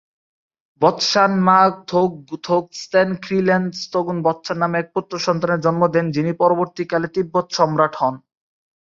ব্ত্সান-মা-থোগ-থোগ-স্তেন খ্রি-ল্দে-গ্ত্সুগ-ব্ত্সান নামে এক পুত্র সন্তানের জন্ম দেন যিনি পরবর্তীকালে তিব্বত সম্রাট হন।